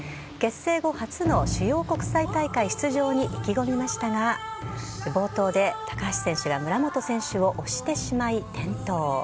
結成後初の主要国際大会出場に意気込みましたが冒頭で高橋選手が村元選手を押してしまい転倒。